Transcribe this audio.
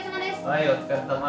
はいお疲れさま。